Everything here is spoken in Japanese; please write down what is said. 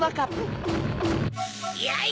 やい！